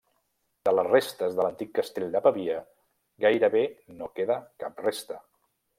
De les restes de l'antic castell de Pavia gairebé no queda cap resta.